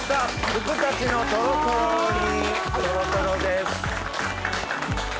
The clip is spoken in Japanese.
ふくたちのトロトロ煮トロトロです。